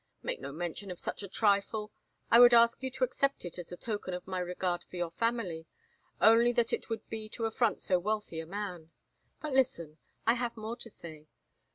"Make no mention of such a trifle. I would ask you to accept it as a token of my regard for your family, only that would be to affront so wealthy a man. But listen, I have more to say.